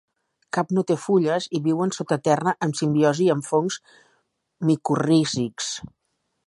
Cap no té fulles, i viuen sota terra en simbiosi amb fongs micorrízics.